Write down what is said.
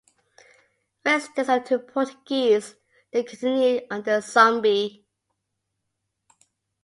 Resistance to the Portuguese then continued under Zumbi.